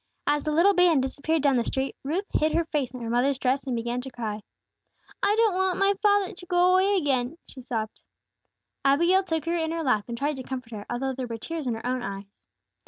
As the little band disappeared down the street, Ruth hid her face in her mother's dress and began to cry. "I don't want my father to go away again!" she sobbed. Abigail took her in her lap and tried to comfort her, although there were tears in her own eyes.